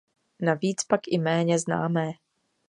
Navíc pak i méně známé.